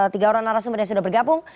tiga orang narasumber yang sudah bergabung